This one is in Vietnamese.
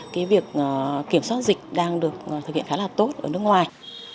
cái việc kiểm soát dịch đang được thực hiện khá là tốt ở nước ngoài